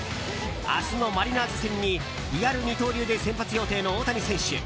明日のマリナーズ戦にリアル二刀流で先発予定の大谷選手。